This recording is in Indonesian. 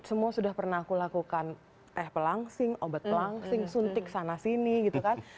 semua sudah pernah aku lakukan teh pelangsing obat pelangsing suntik sana sini gitu kan